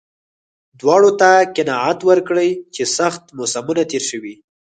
دواړو ته قناعت ورکړي چې سخت موسمونه تېر شوي.